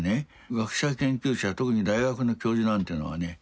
学者研究者特に大学の教授なんていうのはね